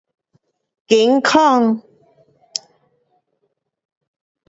天空